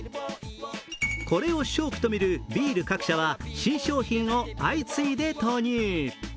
これを商機と見るビール各社は新商品を相次いで投入。